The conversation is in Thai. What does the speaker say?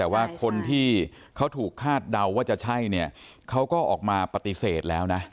แต่ว่าคนที่เขาถูกคาดเดาว่าจะใช่เนี่ยเขาก็ออกมาปฏิเสธแล้วนะ